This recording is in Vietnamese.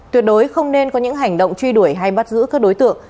tuyệt đối không nên có những hành động truy đuổi hay bắt giữ các đối tượng